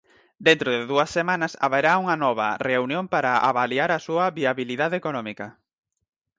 Dentro de dúas semanas haberá unha nova reunión para avaliar a súa viabilidade económica.